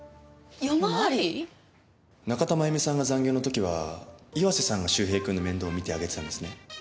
仲田真弓さんが残業の時は岩瀬さんが周平君の面倒を見てあげてたんですね？